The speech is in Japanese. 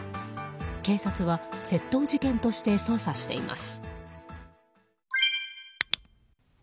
警察は窃盗事件として捜査しています。